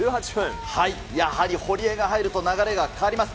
やはり堀江が入ると流れが変わります。